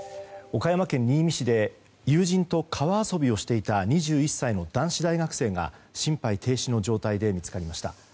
岡山県新見市で友人と川遊びをしていた２１歳の男子大学生が心肺停止の状態で見つかりました。